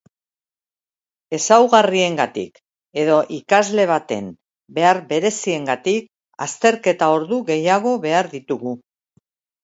Ezaugarriengatik edo ikasle baten behar bereziengatik azterketa-ordu gehiago behar ditugu.